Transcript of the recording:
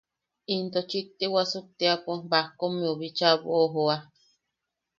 Into chikti wasuktiapo Bajkommeu bicha boʼojoa.